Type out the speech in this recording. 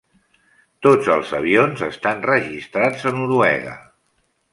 Tots els avions estan registrats a Noruega.